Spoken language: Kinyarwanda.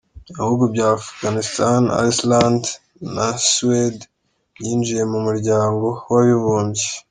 Ibihugu bya Afghanistan, Iceland na Suwede byinjiye mu muryango w’abibumbye.